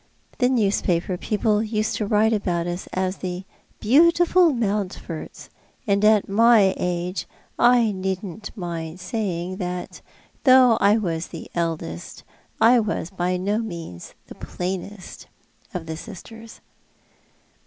"The newspaper peoj^le used to write about us as the beautiful Mountfords, and at my age I needn't mind saying that though I was the eldest I was by no means the plainest of the sisters.'"